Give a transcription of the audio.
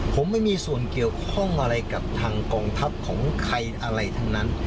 ผมไม่มีส่วนเกี่ยวข้องอะไรกับทางกองทัพของใครอะไรทั้งนั้น